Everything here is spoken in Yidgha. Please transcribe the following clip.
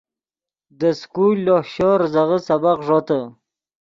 دے سکول لوہ شور ریزغے سبق ݱوتے